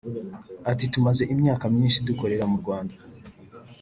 Ati “Tumaze imyaka myinshi dukorera mu Rwanda